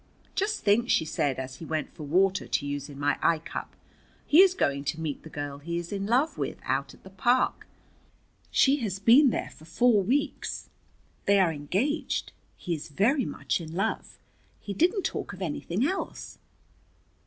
"Just think," she said as he went for water to use in my eye cup, "he is going to meet the girl he is in love with out at the park. She has been there for four weeks. They are engaged. He is very much in love. He didn't talk of anything else."